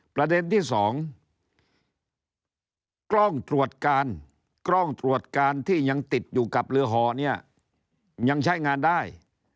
ประเด็นที่สองกล้องตรวจการที่ยังติดอยู่กับเรือหอนี่ยังใช้งานได้